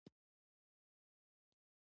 نارېنه ته دوه ميرمني ښې دي، خو چې څوک انصاف کوي